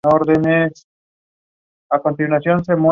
Según Isabelle, su enfermedad se debía a una infancia problemática.